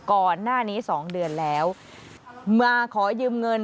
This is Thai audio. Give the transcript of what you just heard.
ก่อนหน้านี้๒เดือนแล้วมาขอยืมเงิน